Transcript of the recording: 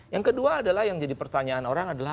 yang kedua adalah yang jadi pertanyaan orang adalah